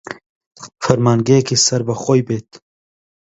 فەرمانگەیەکی سەر بە خۆی بێت